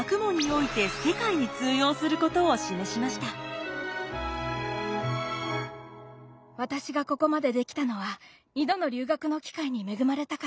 梅子は私がここまでできたのは２度の留学の機会に恵まれたから。